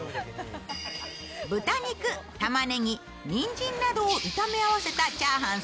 豚肉、たまねぎ、にんじんなどを炒め合わせたチャーハン